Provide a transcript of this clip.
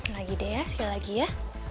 lagi deh ya sekali lagi ya